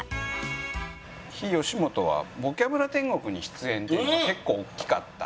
非吉本は『ボキャブラ天国』に出演っていうのは結構大きかった。